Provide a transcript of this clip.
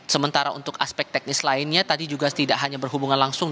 sementara untuk aspek teknis lainnya tadi juga tidak hanya berhubungan langsung